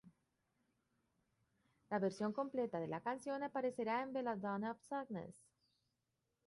La versión completa de la canción aparecerá en "Belladonna of Sadness".